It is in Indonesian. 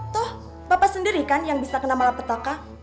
toh bapak sendiri kan yang bisa kena malapetaka